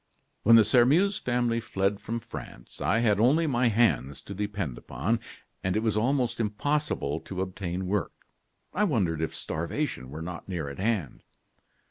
When the Sairmeuse family fled from France, I had only my hands to depend upon, and as it was almost impossible to obtain work, I wondered if starvation were not near at hand.